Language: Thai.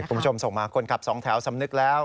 คุณผู้ชมส่งมาคนขับสองแถวสำนึกแล้ว